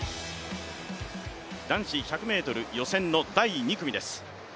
男子１００ｍ予選の第２組です。